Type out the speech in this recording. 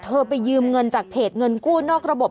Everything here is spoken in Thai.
ไปยืมเงินจากเพจเงินกู้นอกระบบ